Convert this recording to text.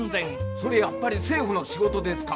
それやっぱり政府の仕事ですか？